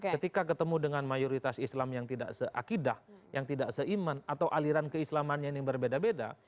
ketika ketemu dengan mayoritas islam yang tidak se akidah yang tidak se iman atau aliran keislaman yang berbeda beda